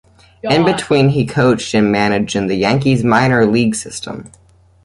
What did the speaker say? In between, he coached and managed in the Yankees minor league system.